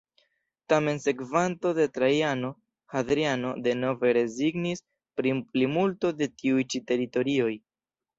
Tamen sekvanto de Trajano, Hadriano, denove rezignis pri plimulto de tiuj ĉi teritorioj.